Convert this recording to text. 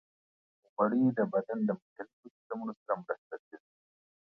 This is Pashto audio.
غوړې د بدن د مختلفو سیستمونو سره مرسته کوي.